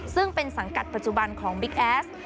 ซึ่งเป็นสังกัดปัจจุบันของบิ๊กแอส